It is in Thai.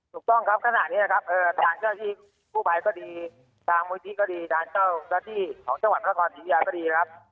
ถูกต้องครับขนาดนี้นะครับทางเจ้าที่ผู้ภัยก็ดีทางวิธีก็ดีทางเจ้าที่ของจังหวัดพระความสีเยียร์ก็ดีครับ